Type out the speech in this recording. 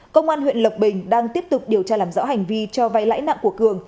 công an huyện lộc bình đang tiếp tục điều tra làm rõ hành vi cho vay lãi nặng của cường